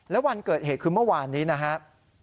แล้ววันเกิดเหตุคือเมื่อวานนี้นะครับ